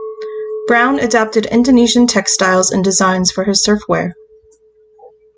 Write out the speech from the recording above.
Brown adapted Indonesian textiles and designs for his surfwear.